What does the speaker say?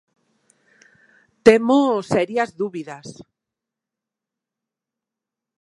Temos serias dúbidas.